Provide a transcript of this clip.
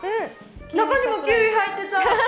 中にもキウイ入ってた。